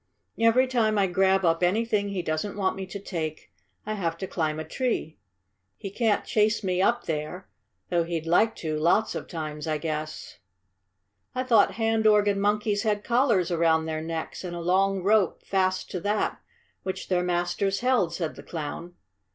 Every time I grab up anything he doesn't want me to take, I have to climb a tree. He can't chase me up there, though he'd like to lots of times, I guess." "I thought hand organ monkeys had collars around their necks, and a long rope fast to that which their masters held," said the Clown.